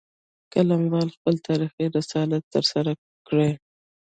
قلموال خپل تاریخي رسالت ترسره کړي